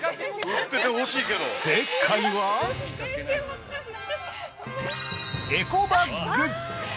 ◆正解はエコバッグ。